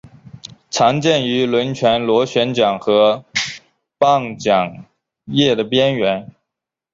常见于轮船螺旋桨和泵桨叶的边缘。